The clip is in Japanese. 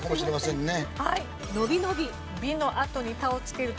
「のびのび」「び」のあとに「た」をつけると？